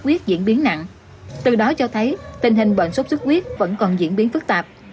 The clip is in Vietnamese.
quyết diễn biến nặng từ đó cho thấy tình hình bệnh sốt xuất huyết vẫn còn diễn biến phức tạp